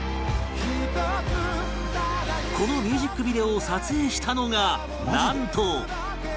このミュージックビデオを撮影したのがなんと